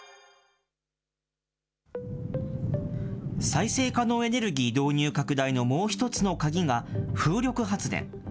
再生可能エネルギー導入拡大のもう一つの鍵が風力発電。